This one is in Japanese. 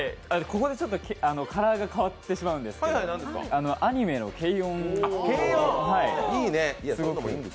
ここでちょっとカラーが変わってしまうんですけどアニメの「けいおん！」